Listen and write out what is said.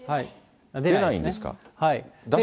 出ないですか。